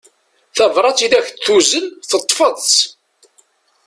Tabrat i ak-d-tuzen teṭṭfeḍ-tt.